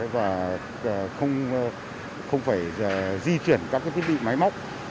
và không phải di chuyển các thiết bị máy móc